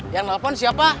yang telepon siapa